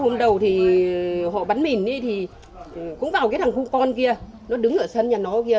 hôm đầu họ bắn mình thì cũng vào cái thằng khu con kia nó đứng ở sân nhà nó kia